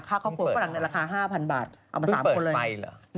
ค่าเข้าผู้ฝรั่งในราคา๕๐๐๐บาทเอามา๓คนเลย